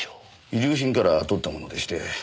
遺留品から採ったものでして。